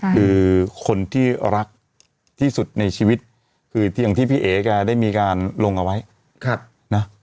คือคนที่รักที่สุดในชีวิตคืออย่างที่พี่เอ๋แกได้มีการลงเอาไว้นะ